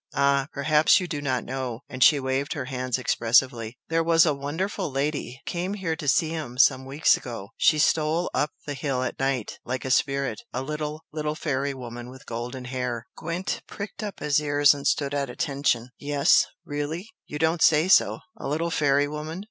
"Ah, perhaps you do not know!" And she waved her hands expressively. "There was a wonderful lady came here to see him some weeks ago she stole up the hill at night, like a spirit a little, little fairy woman with golden hair " Gwent pricked up his ears and stood at attention. "Yes? Really? You don't say so! 'A little fairy woman'?